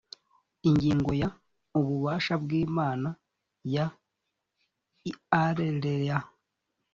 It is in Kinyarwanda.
ingingo ya ububasha bw inama ya rlea